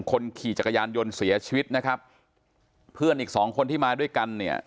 คนขี่จักรยานยนต์เสียชีวิตนะครับเพื่อนอีกสองคนที่มาด้วยกันเนี่ย